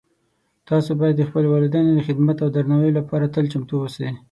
تاسو باید د خپلو والدینو د خدمت او درناوۍ لپاره تل چمتو اوسئ